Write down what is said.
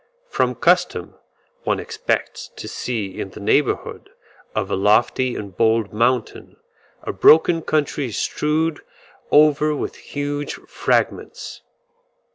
From custom, one expects to see in the neighbourhood of a lofty and bold mountain, a broken country strewed over with huge fragments.